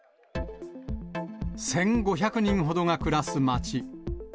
１５００人ほどが暮らす町。